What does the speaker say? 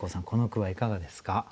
この句はいかがですか？